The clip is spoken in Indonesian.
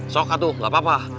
sok katu gak apa apa